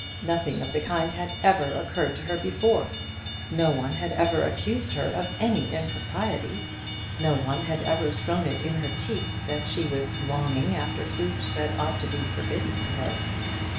Nothing of the kind had ever occurred to her before. No one had ever accused her of any impropriety; no one had ever thrown it in her teeth that she was longing after fruit that ought to be forbidden to her.